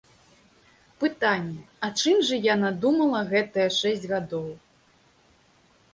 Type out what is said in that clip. Пытанне, а чым жа яна думала гэтыя шэсць гадоў.